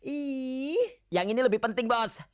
ini lebih penting bos